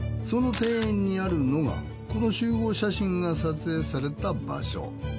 その庭園にあるのがこの集合写真が撮影された場所。